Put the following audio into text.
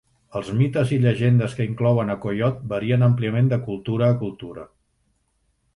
Els mites i llegendes que inclouen a Coiot varien àmpliament de cultura a cultura.